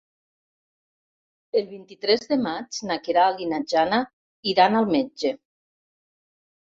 El vint-i-tres de maig na Queralt i na Jana iran al metge.